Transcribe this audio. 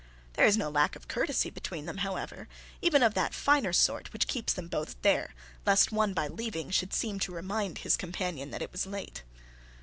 There is no lack of courtesy between them, however, even of that finer sort which keeps them both there, lest one, by leaving, should seem to remind his companion that it was late.